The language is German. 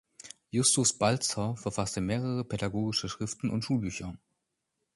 Justus Baltzer verfasste mehrere pädagogische Schriften und Schulbücher.